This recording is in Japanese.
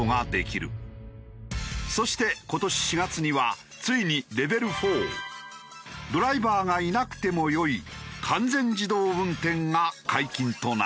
そして今年４月にはついにレベル４ドライバーがいなくてもよい完全自動運転が解禁となった。